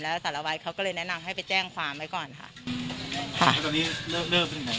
แล้วตอนนี้เริ่มไปถึงไหนนะครับ